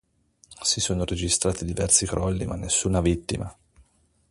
Si sono registrati diversi crolli ma nessuna vittima.